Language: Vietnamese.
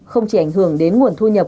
không chỉ ảnh hưởng đến nguồn thu nhập